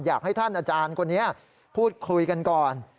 อยากให้ท่านอาจารย์คนนี้พูดคุยกันก่อน